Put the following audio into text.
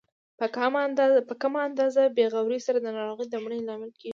په کمه اندازه بې غورۍ سره د ناروغ د مړینې لامل کیږي.